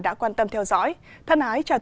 đã quan tâm theo dõi thân ái chào tạm biệt